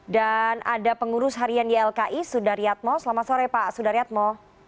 dan ada pengurus harian ylki sudaryatmo selamat sore pak sudaryatmo